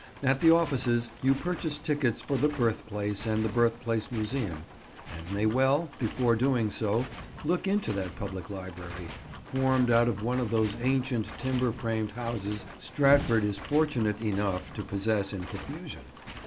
At the offices you purchase tickets for the Birthplace and the Birthplace Museum, and may well, before doing so, look into that public library, formed out of one of those ancient timber framed houses Stratford is fortunate enough to possess in profusion.